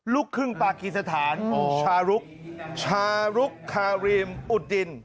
ลูกครึ่งปากีสถานชาลุกชาลุกคารีมอุดดิน